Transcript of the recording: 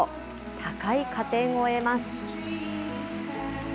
高い加点を得ます。